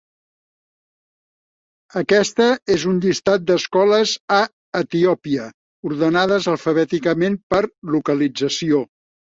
Aquesta és un llistat d'escoles a Etiòpia, ordenades alfabèticament per localització.